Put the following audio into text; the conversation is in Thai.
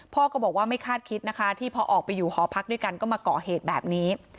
พ่อก็บอกว่าไม่คาดคิดนะคะที่พอออกไปอยู่หอพักด้วยกันก็มาก่อเหตุแบบนี้